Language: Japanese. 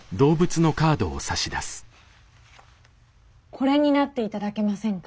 これになって頂けませんか？